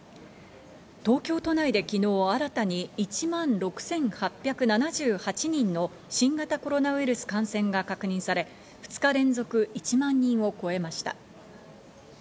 東京都内で昨日新たに１万６８７８人の新型コロナウイルス感染が確認され、２日連続１万人を超えました。